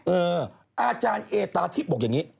เอออาจารย์เอตาที่บอกอย่างนี้